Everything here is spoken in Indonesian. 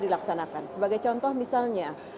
dilaksanakan sebagai contoh misalnya